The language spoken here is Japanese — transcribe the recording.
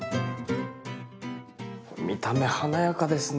見た目華やかですね。